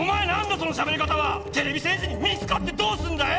そのしゃべり方は⁉てれび戦士に見つかってどうすんだよ